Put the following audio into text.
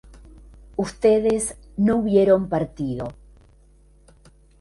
ustedes no hubieron partido